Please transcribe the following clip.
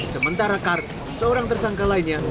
sementara kar seorang tersangka lainnya